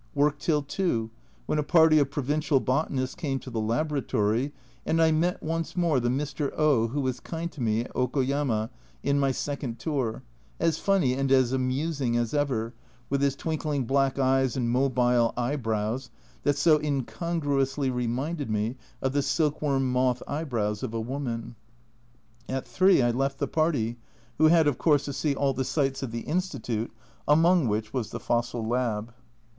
Work till 2, when a party of provincial botanists came to the laboratory, and I met once more the Mr. O who was kind to me at Okoyama in my second tour, as funny and as amusing as ever, with his twinkling black eyes and mobile eyebrows, that so incongruously reminded me of "the silk worm moth eyebrows of a woman." At 3 I left the party, who had, of course, to see all the sights of the Institute, among which was the " Fossil Lab."